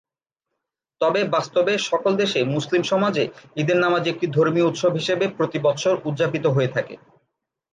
তবে বাস্তবে সকল দেশে মুসলিম সমাজে ঈদের নামাজ একটি ধর্মীয় উৎসব হিসেবে প্রতি বৎসর উদযাপিত হয়ে থাকে।